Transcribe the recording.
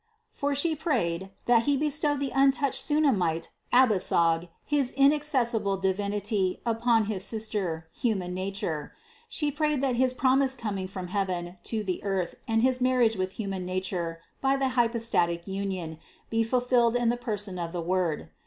For She prayed, that He bestow the untouched Sunamite Abisag, his in accessible Divinity, upon his sister, human nature; She prayed that his promised coming from heaven to the earth and his marriage with human nature by the hypo THE CONCEPTION 269 static union be fulfilled in the person of the Word.